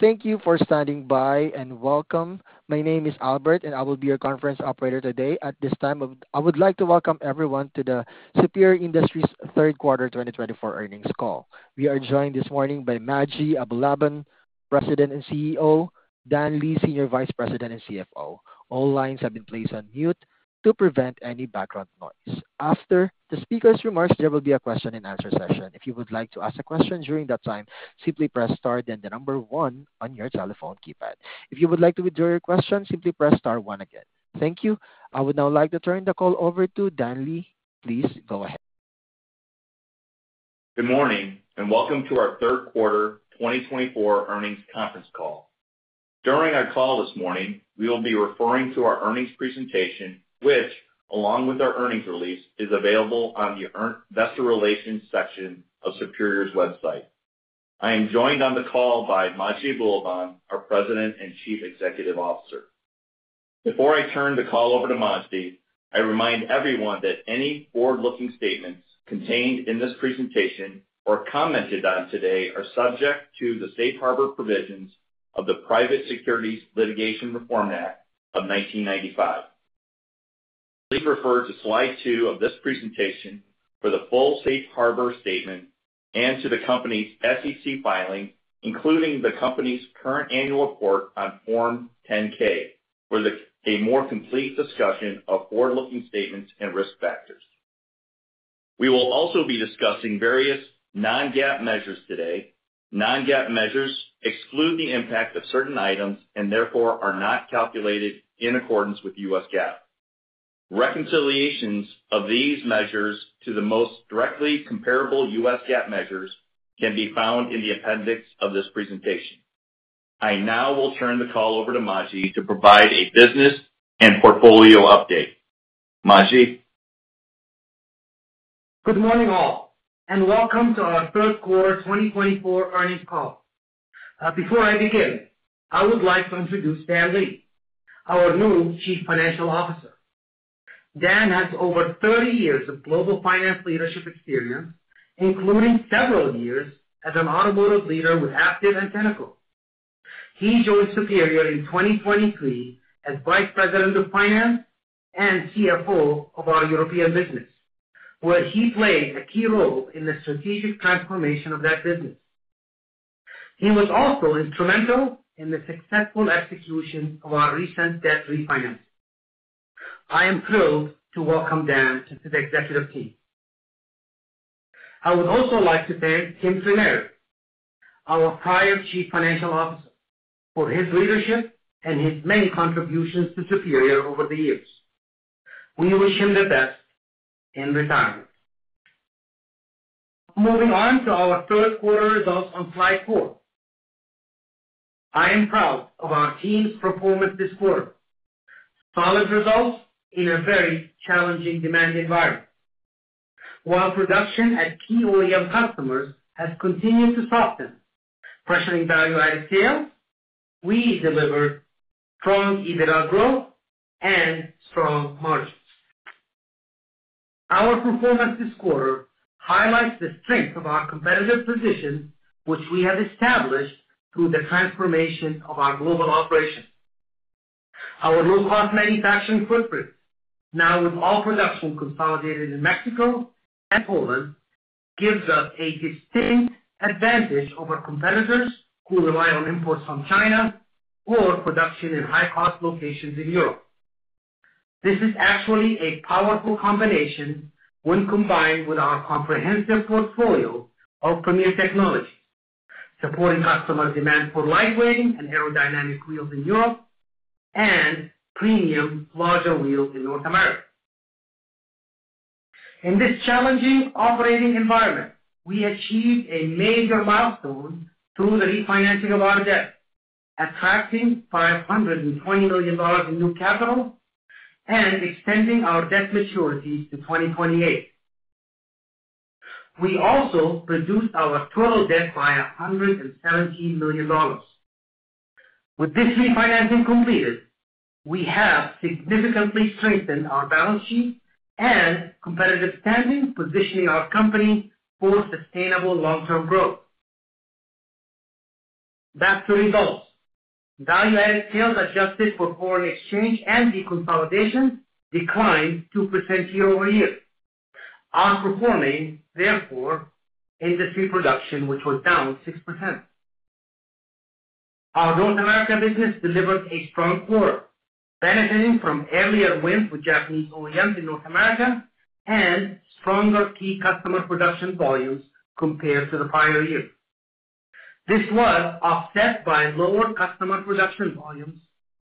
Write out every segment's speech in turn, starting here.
Thank you for standing by and welcome. My name is Albert, and I will be your conference operator today. At this time, I would like to welcome everyone to the Superior Industries Q3 2024 earnings call. We are joined this morning by Majdi Abulaban, President and CEO. Dan Lee, Senior Vice President and CFO. All lines have been placed on mute to prevent any background noise. After the speakers' remarks, there will be a question-and-answer session. If you would like to ask a question during that time, simply press star then the number one on your telephone keypad. If you would like to withdraw your question, simply press star one again. Thank you. I would now like to turn the call over to Dan Lee. Please go ahead. Good morning and welcome to our Q3 2024 earnings conference call. During our call this morning, we will be referring to our earnings presentation, which, along with our earnings release, is available on the investor relations section of Superior's website. I am joined on the call by Majdi Abulaban, our President and Chief Executive Officer. Before I turn the call over to Majdi, I remind everyone that any forward-looking statements contained in this presentation or commented on today are subject to the safe harbor provisions of the Private Securities Litigation Reform Act of 1995. Please refer to Slide 2 of this presentation for the full safe harbor statement and to the company's SEC filing, including the company's current annual report on Form 10-K, for a more complete discussion of forward-looking statements and risk factors. We will also be discussing various non-GAAP measures today. Non-GAAP measures exclude the impact of certain items and therefore are not calculated in accordance with US GAAP. Reconciliations of these measures to the most directly comparable US GAAP measures can be found in the appendix of this presentation. I now will turn the call over to Majdi to provide a business and portfolio update. Majdi? Good morning all, and welcome to our Q3 2024 earnings call. Before I begin, I would like to introduce Dan Lee, our new Chief Financial Officer. Dan has over 30 years of global finance leadership experience, including several years as an automotive leader with Aptiv and Pinnacle. He joined Superior in 2023 as Vice President of Finance and CFO of our European business, where he played a key role in the strategic transformation of that business. He was also instrumental in the successful execution of our recent debt refinancing. I am thrilled to welcome Dan to the executive team. I would also like to thank Tim Trenary, our prior Chief Financial Officer, for his leadership and his many contributions to Superior over the years. We wish him the best in retirement. Moving on to our Q3 results on Slide 4, I am proud of our team's performance this quarter. Solid results in a very challenging demand environment. While production at key OEM customers has continued to soften, pressuring value-added sales, we delivered strong EBITDA growth and strong margins. Our performance this quarter highlights the strength of our competitive position, which we have established through the transformation of our global operations. Our low-cost manufacturing footprint, now with all production consolidated in Mexico and Poland, gives us a distinct advantage over competitors who rely on imports from China or production in high-cost locations in Europe. This is actually a powerful combination when combined with our comprehensive portfolio of premier technologies, supporting customers' demand for lightweight and aerodynamic wheels in Europe and premium larger wheels in North America. In this challenging operating environment, we achieved a major milestone through the refinancing of our debt, attracting $520 million in new capital and extending our debt maturity to 2028. We also reduced our total debt by $117 million. With this refinancing completed, we have significantly strengthened our balance sheet and competitive standing, positioning our company for sustainable long-term growth. Back to results. Value-added sales adjusted for foreign exchange and deconsolidation declined 2% year over year, outperforming, therefore, industry production, which was down 6%. Our North America business delivered a strong quarter, benefiting from earlier wins with Japanese OEMs in North America and stronger key customer production volumes compared to the prior year. This was offset by lower customer production volumes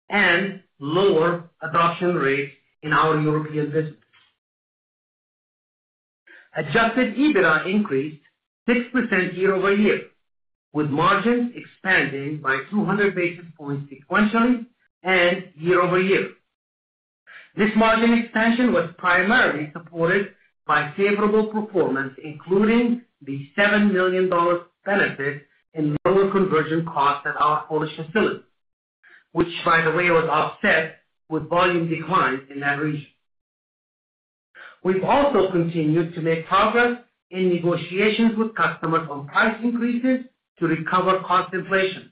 and lower adoption rates in our European business. Adjusted EBITDA increased 6% year over year, with margins expanding by 200 basis points sequentially and year over year. This margin expansion was primarily supported by favorable performance, including the $7 million benefit in lower conversion costs at our Polish facility, which, by the way, was offset with volume declines in that region. We've also continued to make progress in negotiations with customers on price increases to recover cost inflation.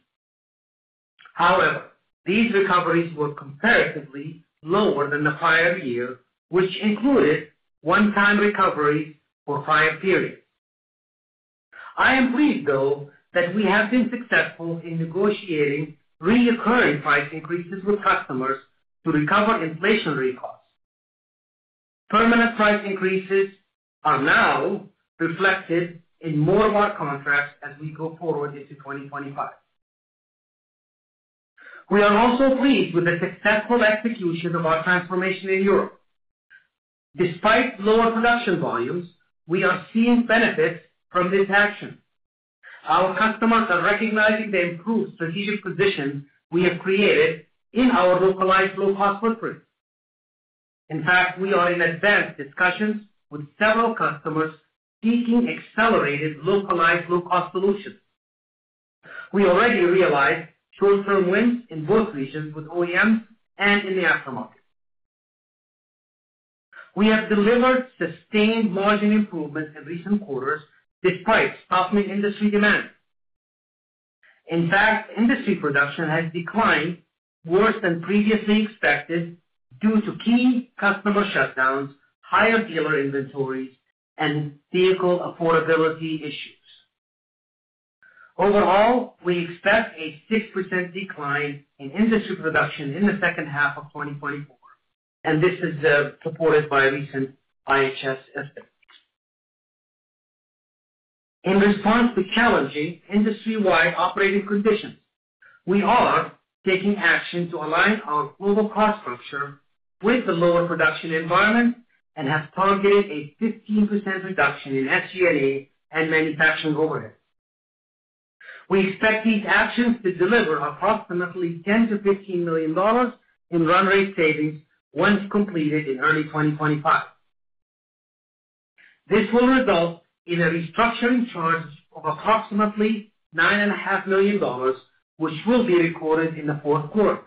However, these recoveries were comparatively lower than the prior year, which included one-time recoveries for prior periods. I am pleased, though, that we have been successful in negotiating reoccurring price increases with customers to recover inflationary costs. Permanent price increases are now reflected in more of our contracts as we go forward into 2025. We are also pleased with the successful execution of our transformation in Europe. Despite lower production volumes, we are seeing benefits from this action. Our customers are recognizing the improved strategic position we have created in our localized low-cost footprint. In fact, we are in advanced discussions with several customers seeking accelerated localized low-cost solutions. We already realized short-term wins in both regions with OEMs and in the aftermarket. We have delivered sustained margin improvements in recent quarters despite softening industry demand. In fact, industry production has declined worse than previously expected due to key customer shutdowns, higher dealer inventories, and vehicle affordability issues. Overall, we expect a 6% decline in industry production in the second half of 2024, and this is supported by recent IHS estimates. In response to challenging industry-wide operating conditions, we are taking action to align our global cost structure with the lower production environment and have targeted a 15% reduction in SG&A and manufacturing overhead. We expect these actions to deliver approximately $10-$15 million in run rate savings once completed in early 2025. This will result in a restructuring charge of approximately $9.5 million, which will be recorded in the Q4.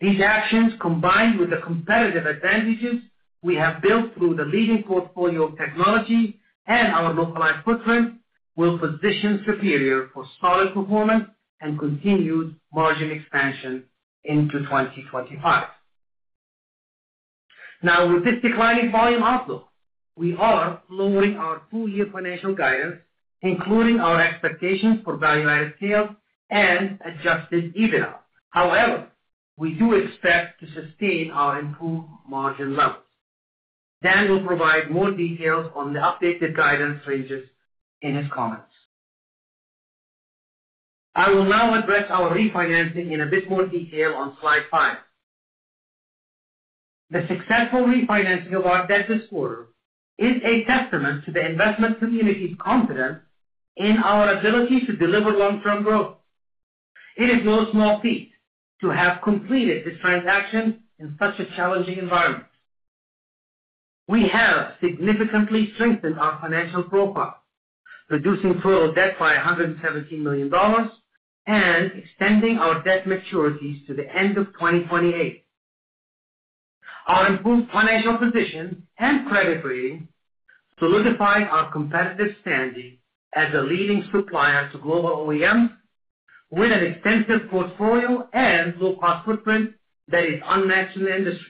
These actions, combined with the competitive advantages we have built through the leading portfolio of technology and our localized footprint, will position Superior for solid performance and continued margin expansion into 2025. Now, with this declining volume outlook, we are lowering our two-year financial guidance, including our expectations for value-added sales and adjusted EBITDA. However, we do expect to sustain our improved margin levels. Dan will provide more details on the updated guidance ranges in his comments. I will now address our refinancing in a bit more detail on Slide 5. The successful refinancing of our debt this quarter is a testament to the investment community's confidence in our ability to deliver long-term growth. It is no small feat to have completed this transaction in such a challenging environment. We have significantly strengthened our financial profile, reducing total debt by $117 million and extending our debt maturities to the end of 2028. Our improved financial position and credit rating solidify our competitive standing as a leading supplier to global OEMs, with an extensive portfolio and low-cost footprint that is unmatched in the industry.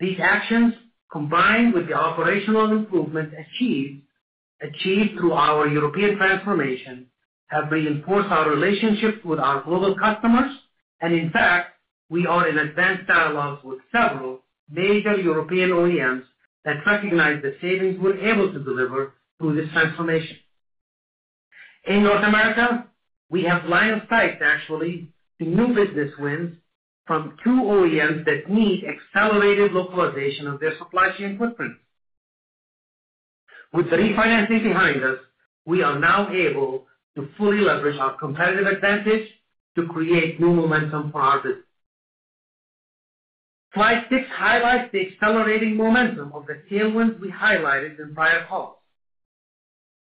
These actions, combined with the operational improvements achieved through our European transformation, have reinforced our relationship with our global customers, and in fact, we are in advanced dialogues with several major European OEMs that recognize the savings we're able to deliver through this transformation. In North America, we have line of sight, actually, to new business wins from two OEMs that need accelerated localization of their supply chain footprints. With the refinancing behind us, we are now able to fully leverage our competitive advantage to create new momentum for our business. Slide 6 highlights the accelerating momentum of the sale wins we highlighted in prior calls.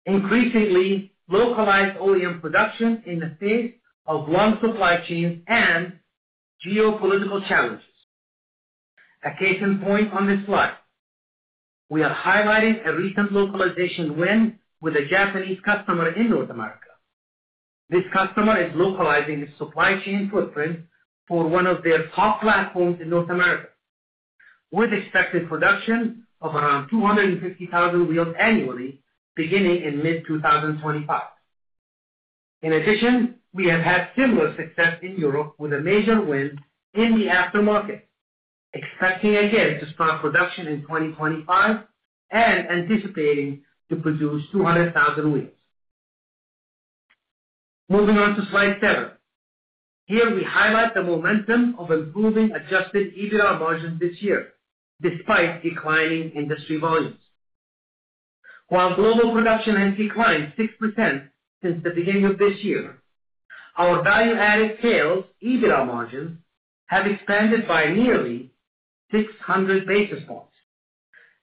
Increasingly, localized OEM production in the face of long supply chains and geopolitical challenges. A case in point on this slide, we are highlighting a recent localization win with a Japanese customer in North America. This customer is localizing his supply chain footprint for one of their top platforms in North America, with expected production of around 250,000 wheels annually beginning in mid-2025. In addition, we have had similar success in Europe with a major win in the aftermarket, expecting again to start production in 2025 and anticipating to produce 200,000 wheels. Moving on to Slide 7, here we highlight the momentum of improving adjusted EBITDA margins this year despite declining industry volumes. While global production has declined 6% since the beginning of this year, our value-added sales EBITDA margins have expanded by nearly 600 basis points.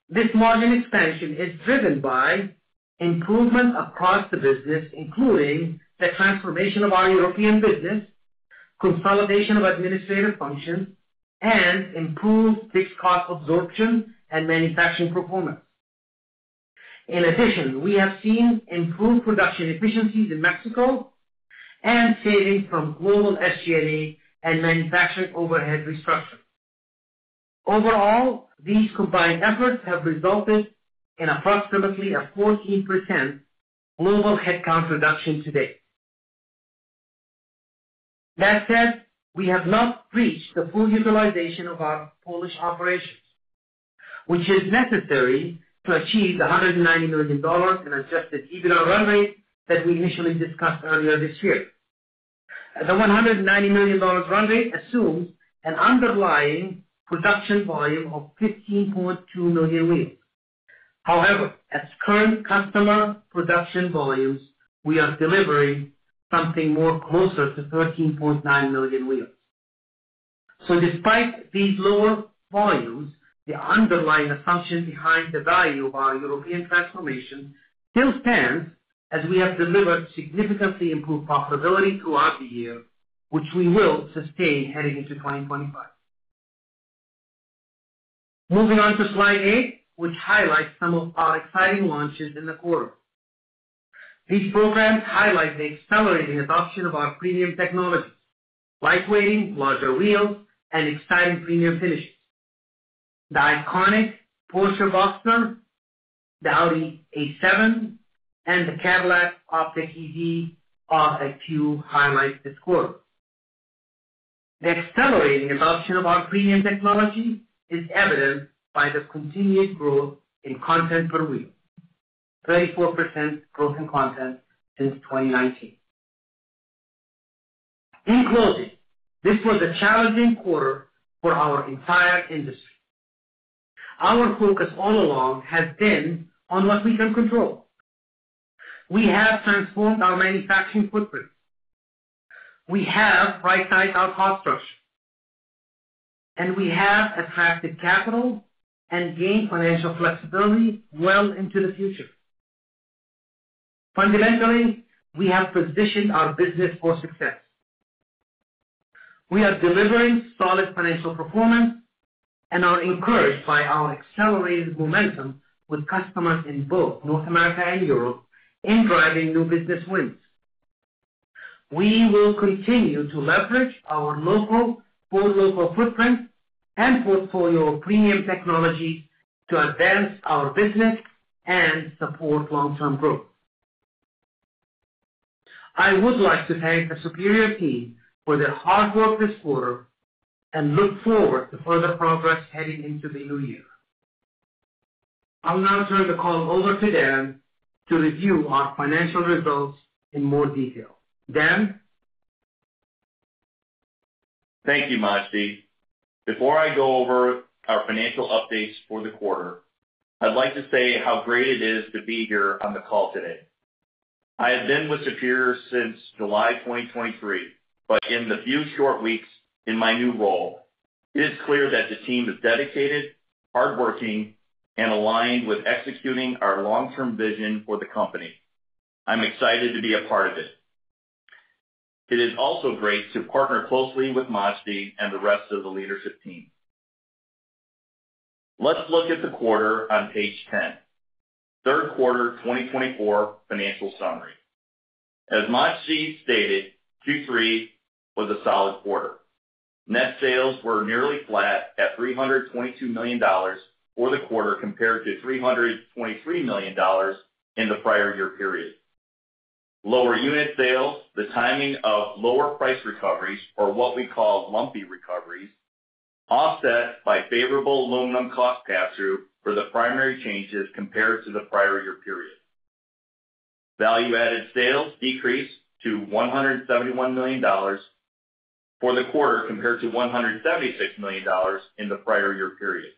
This margin expansion is driven by improvements across the business, including the transformation of our European business, consolidation of administrative functions, and improved fixed cost absorption and manufacturing performance. In addition, we have seen improved production efficiencies in Mexico and savings from global SG&A and manufacturing overhead restructuring. Overall, these combined efforts have resulted in approximately a 14% global headcount reduction to date. That said, we have not reached the full utilization of our Polish operations, which is necessary to achieve the $190 million in adjusted EBITDA run rate that we initially discussed earlier this year. The $190 million run rate assumes an underlying production volume of 15.2 million wheels. However, as current customer production volumes, we are delivering something more closer to 13.9 million wheels. Despite these lower volumes, the underlying assumption behind the value of our European transformation still stands as we have delivered significantly improved profitability throughout the year, which we will sustain heading into 2025. Moving on to Slide 8, which highlights some of our exciting launches in the quarter. These programs highlight the accelerating adoption of our premium technologies: lightweight, larger wheels, and exciting premium finishes. The iconic Porsche Boxster, the Audi A7, and the Cadillac Optiq EV are a few highlights this quarter. The accelerating adoption of our premium technology is evident by the continued growth in content per wheel: 34% growth in content since 2019. In closing, this was a challenging quarter for our entire industry. Our focus all along has been on what we can control. We have transformed our manufacturing footprint. We have right-sized our cost structure. And we have attracted capital and gained financial flexibility well into the future. Fundamentally, we have positioned our business for success. We are delivering solid financial performance and are encouraged by our accelerated momentum with customers in both North America and Europe in driving new business wins. We will continue to leverage our local-for-local footprint and portfolio of premium technologies to advance our business and support long-term growth. I would like to thank the Superior team for their hard work this quarter and look forward to further progress heading into the new year. I'll now turn the call over to Dan to review our financial results in more detail. Dan? Thank you, Majdi. Before I go over our financial updates for the quarter, I'd like to say how great it is to be here on the call today. I have been with Superior since July 2023, but in the few short weeks in my new role, it is clear that the team is dedicated, hardworking, and aligned with executing our long-term vision for the company. I'm excited to be a part of it. It is also great to partner closely with Majdi and the rest of the leadership team. Let's look at the quarter on page 10. Q3 2024 financial summary. As Majdi stated, Q3 was a solid quarter. Net sales were nearly flat at $322 million for the quarter compared to $323 million in the prior year period. Lower unit sales, the timing of lower price recoveries, or what we call lumpy recoveries, offset by favorable aluminum cost pass-through for the primary changes compared to the prior year period. Value-added sales decreased to $171 million for the quarter compared to $176 million in the prior year period.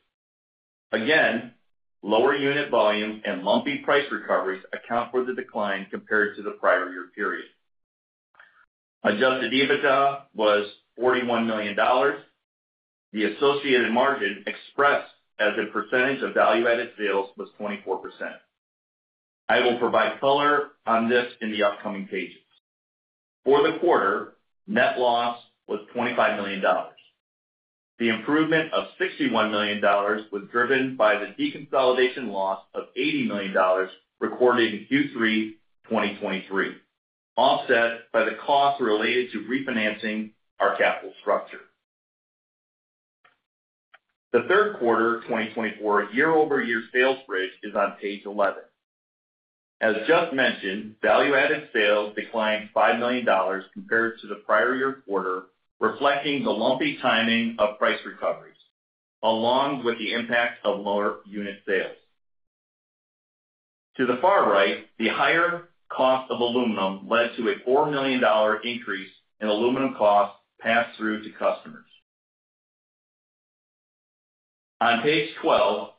Again, lower unit volumes and lumpy price recoveries account for the decline compared to the prior year period. Adjusted EBITDA was $41 million. The associated margin expressed as a percentage of value-added sales was 24%. I will provide color on this in the upcoming pages. For the quarter, net loss was $25 million. The improvement of $61 million was driven by the deconsolidation loss of $80 million recorded in Q3 2023, offset by the costs related to refinancing our capital structure. The Q3 2024 year-over-year sales bridge is on page 11. As just mentioned, value-added sales declined $5 million compared to the prior year quarter, reflecting the lumpy timing of price recoveries along with the impact of lower unit sales. To the far right, the higher cost of aluminum led to a $4 million increase in aluminum cost pass-through to customers. On page 12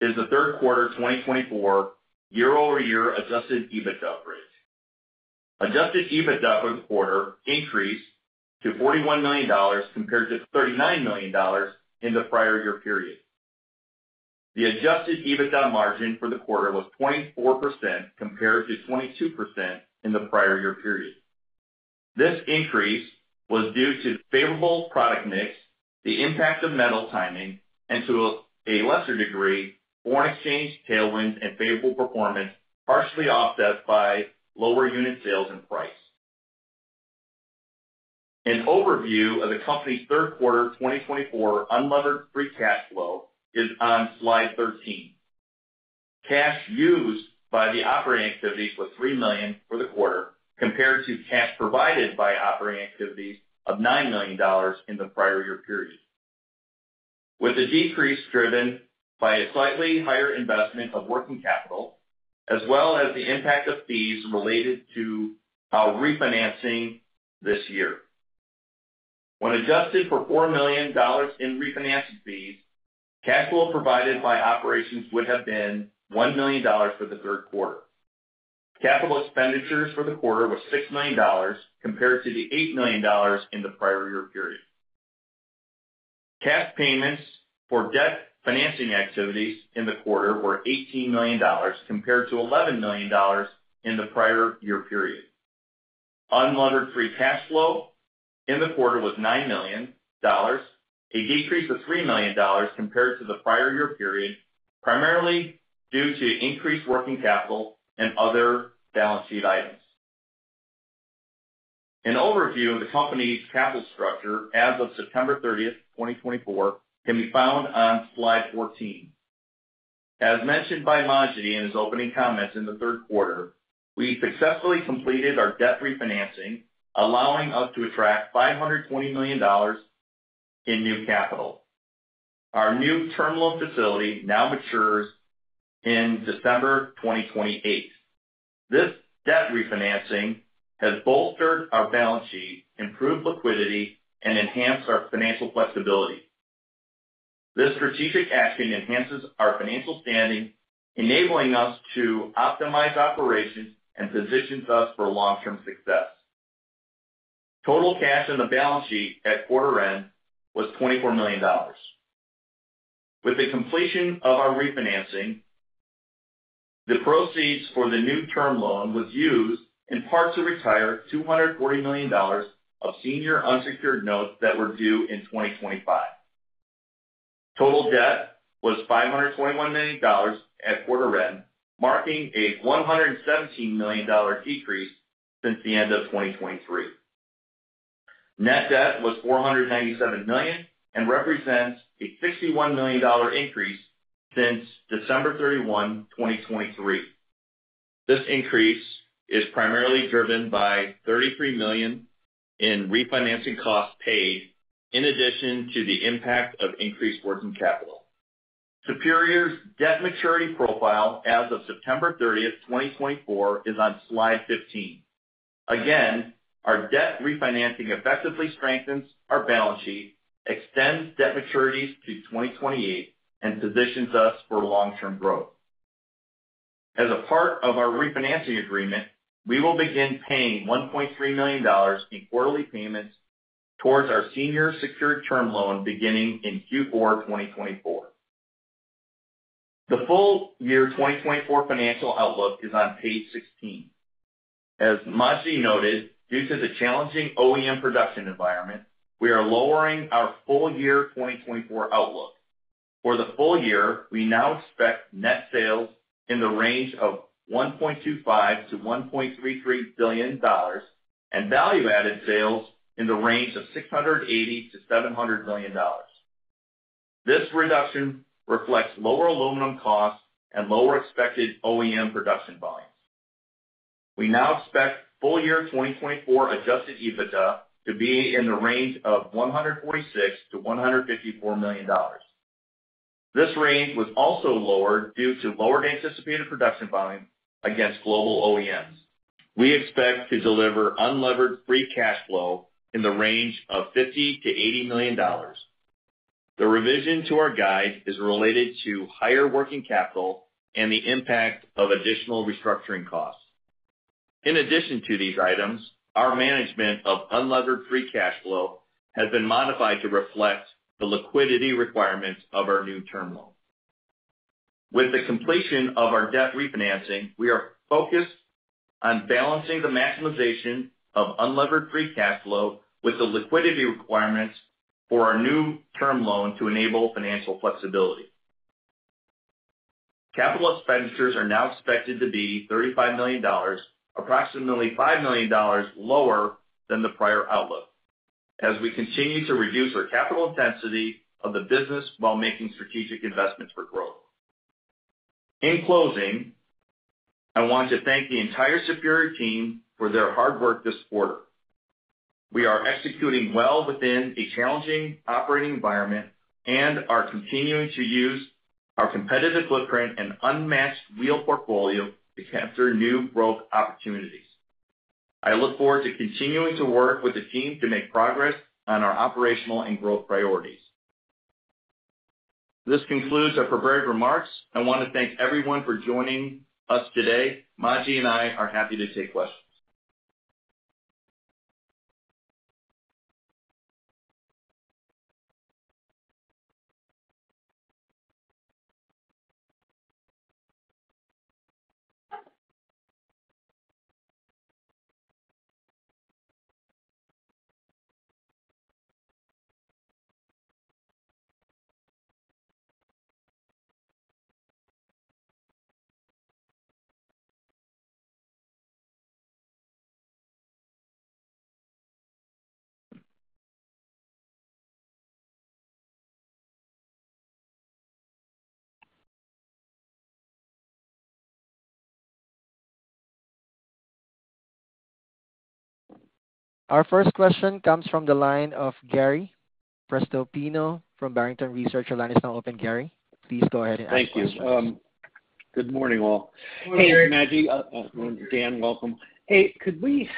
is the Q3 2024 year-over-year Adjusted EBITDA bridge. Adjusted EBITDA for the quarter increased to $41 million compared to $39 million in the prior year period. The Adjusted EBITDA margin for the quarter was 24% compared to 22% in the prior year period. This increase was due to the favorable product mix, the impact of metal timing, and to a lesser degree, foreign exchange tailwinds and favorable performance partially offset by lower unit sales and price. An overview of the company's Q3 2024 unlevered free cash flow is on Slide 13. Cash used by operating activities was $3 million for the quarter compared to cash provided by operating activities of $9 million in the prior year period, with the decrease driven by a slightly higher investment of working capital, as well as the impact of fees related to our refinancing this year. When adjusted for $4 million in refinancing fees, cash flow provided by operations would have been $1 million for the Q3. Capital expenditures for the quarter were $6 million compared to the $8 million in the prior year period. Cash payments for debt financing activities in the quarter were $18 million compared to $11 million in the prior year period. unlevered free cash flow in the quarter was $9 million, a decrease of $3 million compared to the prior year period, primarily due to increased working capital and other balance sheet items. An overview of the company's capital structure as of September 30, 2024, can be found on Slide 14. As mentioned by Majdi in his opening comments in the Q3, we successfully completed our debt refinancing, allowing us to attract $520 million in new capital. Our new term loan facility now matures in December 2028. This debt refinancing has bolstered our balance sheet, improved liquidity, and enhanced our financial flexibility. This strategic action enhances our financial standing, enabling us to optimize operations and positions us for long-term success. Total cash in the balance sheet at quarter end was $24 million. With the completion of our refinancing, the proceeds for the new term loan was used in part to retire $240 million of senior unsecured notes that were due in 2025. Total debt was $521 million at quarter end, marking a $117 million decrease since the end of 2023. Net debt was $497 million and represents a $61 million increase since December 31, 2023. This increase is primarily driven by $33 million in refinancing costs paid in addition to the impact of increased working capital. Superior's debt maturity profile as of September 30, 2024, is on Slide 15. Again, our debt refinancing effectively strengthens our balance sheet, extends debt maturities to 2028, and positions us for long-term growth. As a part of our refinancing agreement, we will begin paying $1.3 million in quarterly payments towards our senior secured term loan beginning in Q4 2024. The full year 2024 financial outlook is on page 16. As Majdi noted, due to the challenging OEM production environment, we are lowering our full year 2024 outlook. For the full year, we now expect net sales in the range of $1.25-$1.33 billion and value-added sales in the range of $680-$700 million. This reduction reflects lower aluminum costs and lower expected OEM production volumes. We now expect full year 2024 adjusted EBITDA to be in the range of $146-$154 million. This range was also lowered due to lowered anticipated production volume against global OEMs. We expect to deliver unlevered free cash flow in the range of $50-$80 million. The revision to our guide is related to higher working capital and the impact of additional restructuring costs. In addition to these items, our management of unlevered free cash flow has been modified to reflect the liquidity requirements of our new term loan. With the completion of our debt refinancing, we are focused on balancing the maximization of unlevered free cash flow with the liquidity requirements for our new term loan to enable financial flexibility. Capital expenditures are now expected to be $35 million, approximately $5 million lower than the prior outlook, as we continue to reduce our capital intensity of the business while making strategic investments for growth. In closing, I want to thank the entire Superior team for their hard work this quarter. We are executing well within a challenging operating environment and are continuing to use our competitive footprint and unmatched wheel portfolio to capture new growth opportunities. I look forward to continuing to work with the team to make progress on our operational and growth priorities. This concludes our prepared remarks. I want to thank everyone for joining us today. Majdi and I are happy to take questions. Our first question comes from the line of Gary Prestopino from Barrington Research. Your line is now open, Gary. Please go ahead and answer. Thank you. Good morning, all. Hey, Majdi. Dan, welcome. Hey, could we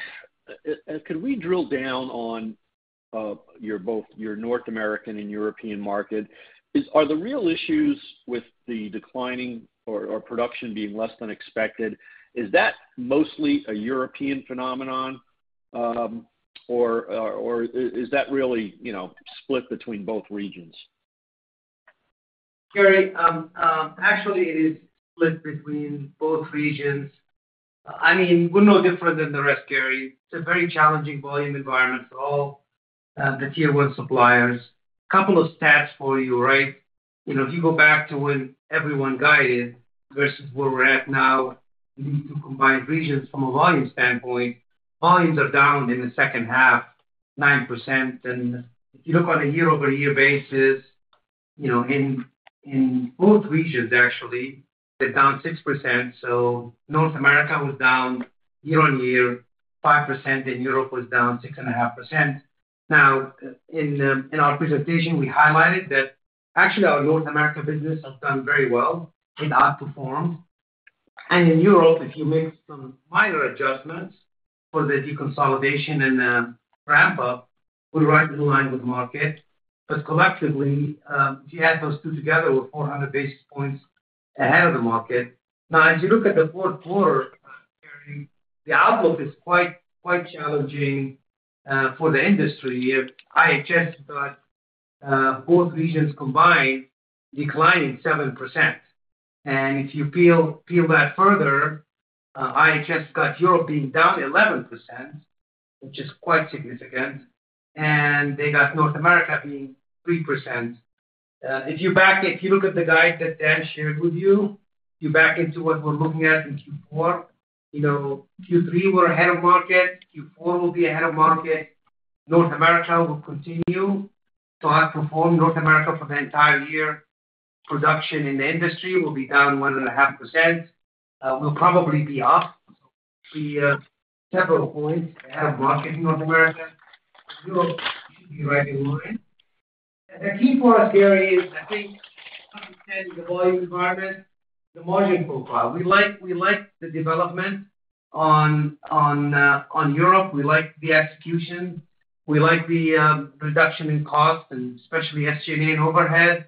drill down on your North American and European market? Are the real issues with the declining or production being less than expected, is that mostly a European phenomenon, or is that really split between both regions? Gary, actually, it is split between both regions. I mean, we're no different than the rest, Gary. It's a very challenging volume environment for all the Tier 1 suppliers. A couple of stats for you, right? If you go back to when everyone guided versus where we're at now, leading to combined regions from a volume standpoint, volumes are down in the second half, 9%. If you look on a year-over-year basis, in both regions, actually, they're down 6%. North America was down year-on-year 5%, and Europe was down 6.5%. Now, in our presentation, we highlighted that actually our North America business has done very well. It outperformed. In Europe, if you make some minor adjustments for the deconsolidation and ramp-up, we're right in line with the market. Collectively, if you add those two together, we're 400 basis points ahead of the market. Now, as you look at the Q4, Gary, the outlook is quite challenging for the industry. IHS got both regions combined declining 7%. If you peel that further, IHS got Europe being down 11%, which is quite significant. They got North America being 3%. If you look at the guide that Dan shared with you, you back into what we're looking at in Q4. Q3, we're ahead of market. Q4 will be ahead of market. North America will continue to outperform North America for the entire year. Production in the industry will be down 1.5%. We'll probably be up several points ahead of market in North America. Europe should be right in line. And the key for us, Gary, is I think understanding the volume environment, the margin profile. We like the development on Europe. We like the execution. We like the reduction in cost, and especially SG&A and overhead.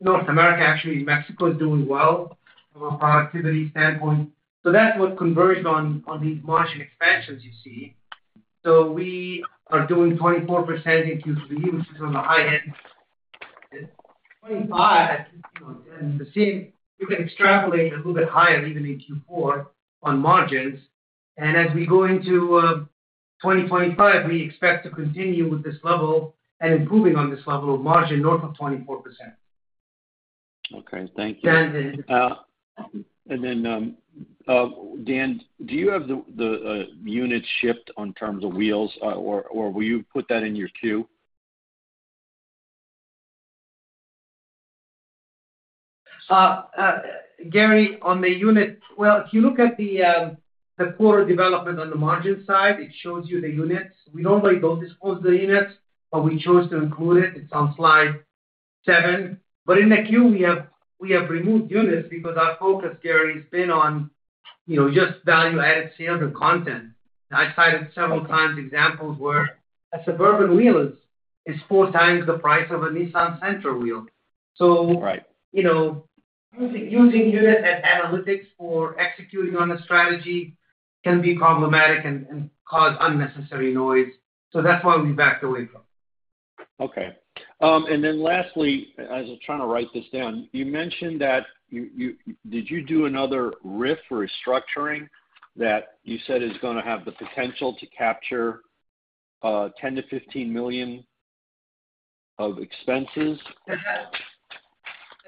North America, actually, Mexico is doing well from a productivity standpoint. So that's what converged on these margin expansions you see. So we are doing 24% in Q3, which is on the high end. 25, you can extrapolate a little bit higher even in Q4 on margins. As we go into 2025, we expect to continue with this level and improving on this level of margin north of 24%. Okay. Thank you. Then, Dan, do you have the unit shipped on terms of wheels, or will you put that in your queue? Gary, on the unit, well, if you look at the quarter development on the margin side, it shows you the units. We normally don't disclose the units, but we chose to include it. It's on Slide 7. In the queue, we have removed units because our focus, Gary, has been on just value-added sales and content. I cited several times examples where a Suburban wheel is four times the price of a Nissan Sentra wheel. Using unit analytics for executing on a strategy can be problematic and cause unnecessary noise. That's why we backed away from it. Okay. Then lastly, as I'm trying to write this down, you mentioned that did you do another round of restructuring that you said is going to have the potential to capture $10-$15 million of expenses?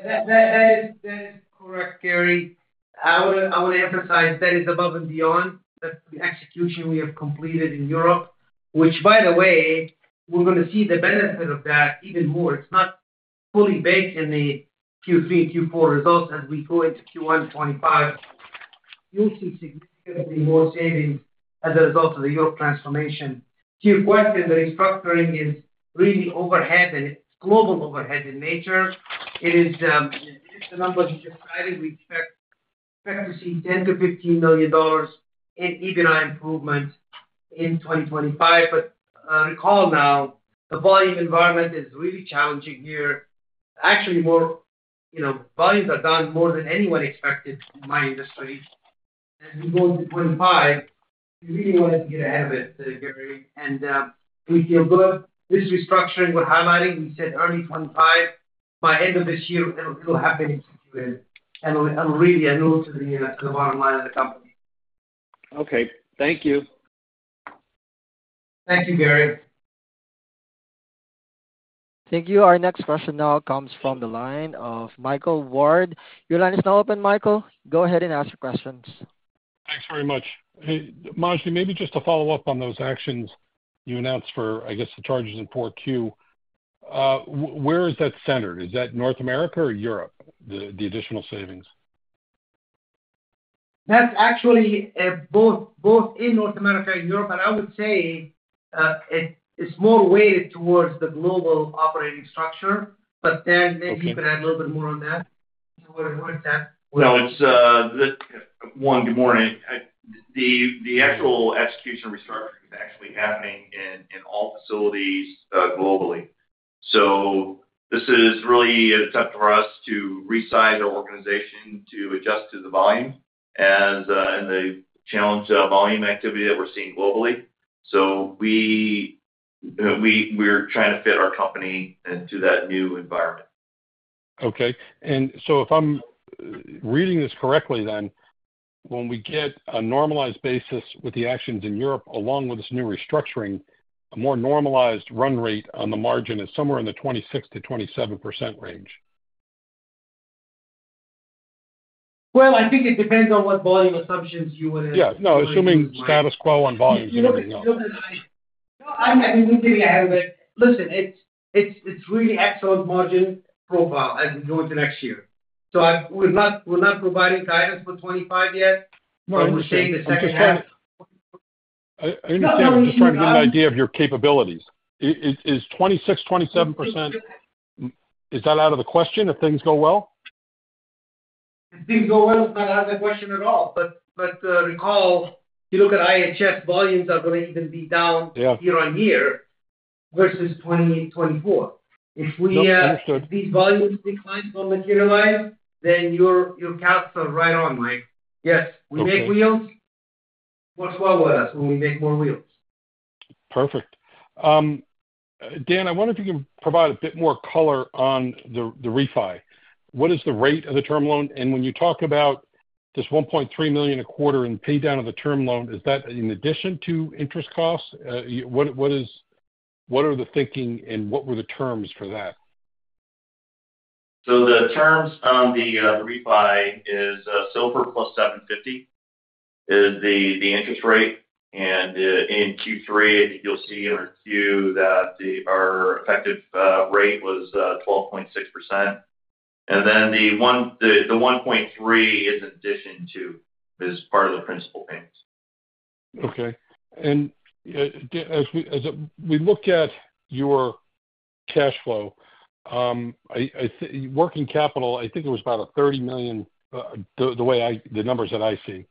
That is correct, Gary. I want to emphasize that is above and beyond the execution we have completed in Europe, which, by the way, we're going to see the benefit of that even more. It's not fully baked in the Q3 and Q4 results. As we go into Q1 and 2025, you'll see significantly more savings as a result of the Europe transformation. To your question, the restructuring is really overhead and global overhead in nature. It is the number you just cited. We expect to see $10-$15 million in EBITDA improvement in 2025. But recall now, the volume environment is really challenging here. Actually, volumes are down more than anyone expected in my industry. As we go into 2025, we really wanted to get ahead of it, Gary. And we feel good. This restructuring we're highlighting, we said early 2025, by end of this year, it'll have been executed and really annualizes to the bottom line of the company. Okay. Thank you. Thank you, Gary. Thank you. Our next question now comes from the line of Michael Ward. Your line is now open, Michael. Go ahead and ask your questions. Thanks very much. Majdi, maybe just to follow up on those actions you announced for, I guess, the charges in 4Q, where is that centered? Is that North America or Europe, the additional savings? That's actually both in North America and Europe. And I would say it's more weighted towards the global operating structure. But Dan, maybe you can add a little bit more on that. Where is that? No, it's one. Good morning. The actual execution restructuring is actually happening in all facilities globally. So this is really an attempt for us to resize our organization to adjust to the volume and the challenged volume activity that we're seeing globally. So we're trying to fit our company into that new environment. Okay. And so if I'm reading this correctly, then when we get a normalized basis with the actions in Europe, along with this new restructuring, a more normalized run rate on the margin is somewhere in the 26%-27% range. Well, I think it depends on what volume assumptions you would have. Yeah. No, assuming status quo on volumes. I mean, we'll get ahead of it. Listen, it's really excellent margin profile as we go into next year. We're not providing guidance for 2025 yet. I would say the second half. I understand. I'm just trying to get an idea of your capabilities. Is 26%-27% out of the question if things go well? If things go well, it's not out of the question at all. But recall, if you look at IHS, volumes are going to even be down year-on-year versus 2024. If these volumes decline or materialize, then your calcs are right on, Mike. Yes. We make wheels. Work well with us when we make more wheels. Perfect. Dan, I wonder if you can provide a bit more color on the refi. What is the rate of the term loan? And when you talk about this $1.3 million a quarter and pay down of the term loan, is that in addition to interest costs? What are the thinking and what were the terms for that? So the terms on the refi is SOFR plus 750 is the interest rate. And in Q3, you'll see in our 10-Q that our effective rate was 12.6%. And then the 1.3 is in addition to is part of the principal payments. Okay. And as we look at your cash flow, working capital, I think it was about $30 million, the numbers that I see.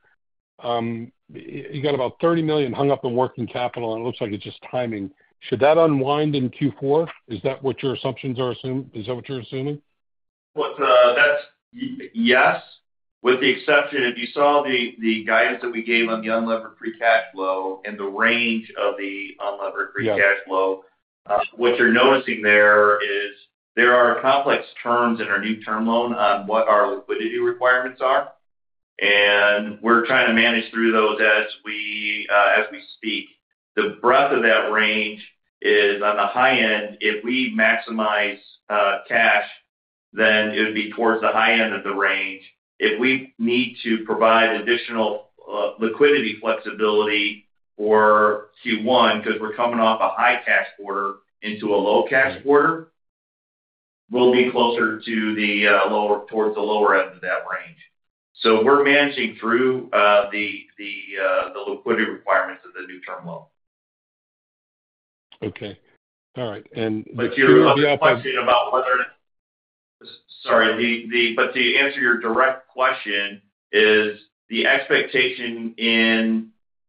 You got about $30 million hung up in working capital, and it looks like it's just timing. Should that unwind in Q4? Is that what your assumptions are? Is that what you're assuming? Yes, with the exception if you saw the guidance that we gave on the unlevered free cash flow and the range of the unlevered free cash flow. What you're noticing there is that there are complex terms in our new term loan on what our liquidity requirements are, and we're trying to manage through those as we speak. The breadth of that range is on the high end. If we maximize cash, then it would be towards the high end of the range. If we need to provide additional liquidity flexibility for Q1 because we're coming off a high cash quarter into a low cash quarter, we'll be closer to the lower end of that range, so we're managing through the liquidity requirements of the new term loan. Okay. All right, and the Q2 question about whether, sorry, but to answer your direct question, the expectation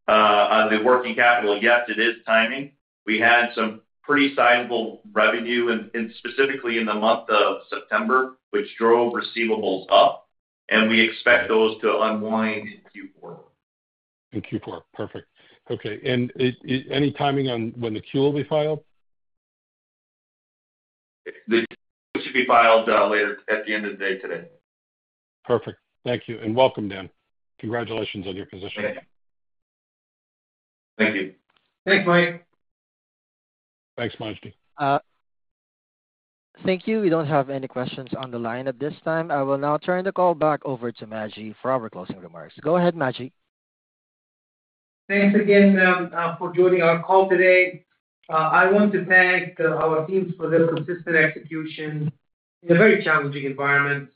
on the working capital, yes, it is timing. We had some pretty sizable revenue, specifically in the month of September, which drove receivables up. And we expect those to unwind in Q4. In Q4. Perfect. Okay. And any timing on when the Q will be filed? The Q should be filed later at the end of the day today. Perfect. Thank you. And welcome, Dan. Congratulations on your position. Thank you. Thanks, Mike. Thanks, Majdi. Thank you. We don't have any questions on the line at this time. I will now turn the call back over to Majdi for our closing remarks. Go ahead, Majdi. Thanks again, Dan, for joining our call today. I want to thank our teams for their consistent execution in a very challenging environment.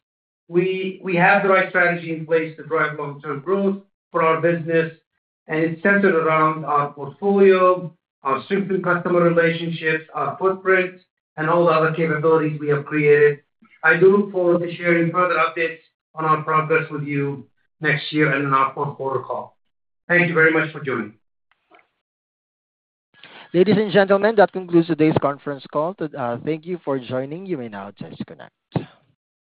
We have the right strategy in place to drive long-term growth for our business, and it's centered around our portfolio, our strengthened customer relationships, our footprint, and all the other capabilities we have created. I do look forward to sharing further updates on our progress with you next year and in our Q4 call. Thank you very much for joining. Ladies and gentlemen, that concludes today's conference call. Thank you for joining. You may now disconnect.